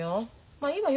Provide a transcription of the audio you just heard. まあいいわよ